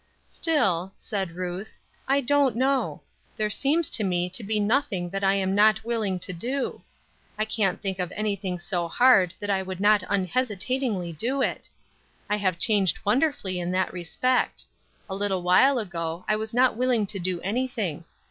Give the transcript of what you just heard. "Still," said Ruth, "I don't know. There seems to me to be nothing that I am not willing to do. I can't think of anything so hard that I would not unhesitatingly do it. I have changed wonderfully in that respect. A little while ago I was not willing to do anything.